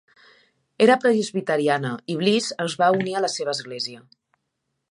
Era presbiteriana i Bliss es va unir a la seva església.